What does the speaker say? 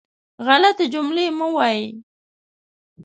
غلطې جملې مه وایئ.